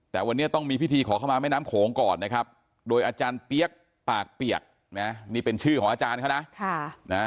แต่วันนี้ต้องมีพิธีขอเข้ามาแม่น้ำโขงก่อนนะครับโดยอาจารย์เปี๊ยกปากเปียกนะนี่เป็นชื่อของอาจารย์เขานะ